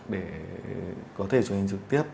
để có thể truyền hình trực tiếp